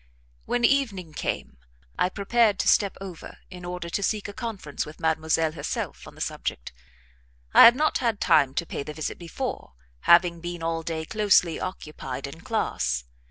When evening came I prepared to step over in order to seek a conference with Mademoiselle herself on the subject; I had not had time to pay the visit before, having been all day closely occupied in class.